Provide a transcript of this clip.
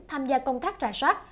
tham gia công tác ra soát